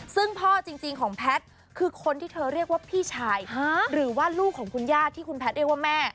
ซึ่งพ่อจริงของแพทย์คือคนที่เธอเรียกว่าพี่ชายหรือว่าลูกของคุณญาติที่คุณแพทย์เรียกว่าแม่